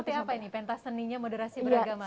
pentas seni seperti apa ini pentas seninya moderasi beragama